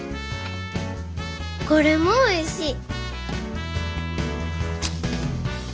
これもおいしい。